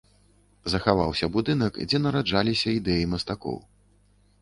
Захаваўся будынак, дзе нараджаліся ідэі мастакоў.